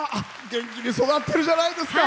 元気に育ってるじゃないですか。